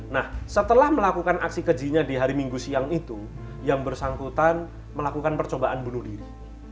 nah setelah melakukan aksi kejinya di hari minggu siang itu yang bersangkutan melakukan percobaan bunuh diri